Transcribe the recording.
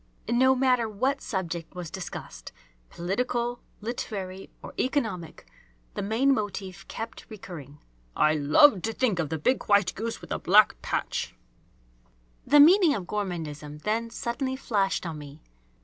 No matter what subject was discussed, political, literary, or economic, the main motif kept recurring: "I love to think of the big white goose with the black patch!" The meaning of gourmandism then suddenly flashed on me.